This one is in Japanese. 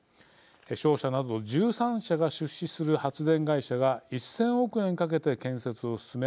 商社など１３社が出資する発電会社が１０００億円かけて建設を進め